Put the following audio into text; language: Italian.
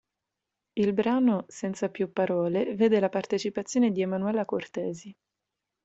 Il brano "Senza più parole" vede la partecipazione di Emanuela Cortesi.